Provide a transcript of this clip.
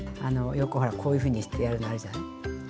あのよくほらこういうふうにしてやるのあるじゃない？